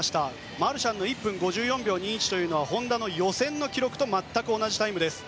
マルシャンの１分５４秒２１というのは本多の予選の記録と全く同じタイムです。